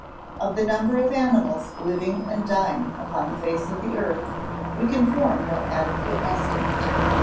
Of the number of animals living and dying upon the face of the earth, we can form no adequate estimate.